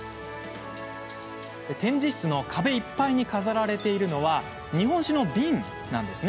展示室の壁いっぱいに飾られているのは日本酒の瓶なんです。